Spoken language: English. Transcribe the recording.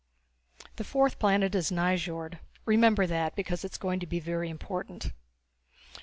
The fourth planet is Nyjord remember that, because it is going to be very important.